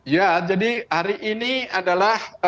ya jadi hari ini adalah